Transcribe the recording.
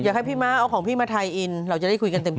ให้พี่ม้าเอาของพี่มาไทยอินเราจะได้คุยกันเต็ม